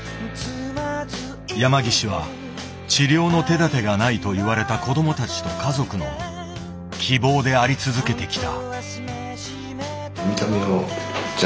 山岸は治療の手だてがないと言われた子どもたちと家族の希望であり続けてきた。